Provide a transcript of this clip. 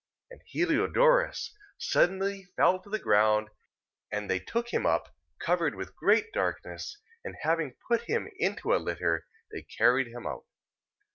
3:27. And Heliodorus suddenly fell to the ground, and they took him up, covered with great darkness, and having put him into a litter, they carried him out.